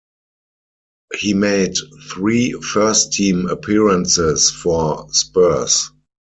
He made three first team appearances for Spurs.